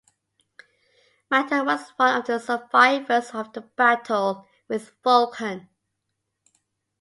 Manta was one of the survivors of the battle with Vulcan.